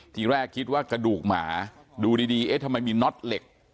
ทีแรกคิดว่ากระดูกหมาดูดีเอ๊ะทำไมมีน็อตเหล็ก